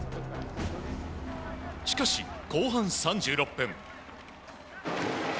しかし、後半３６分。